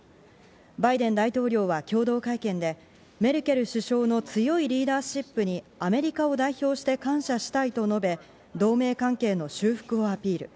バイデン大統領は共同会見でメルケル首相の強いリーダーシップにアメリカを代表して感謝したいと述べ、同盟関係の修復をアピール。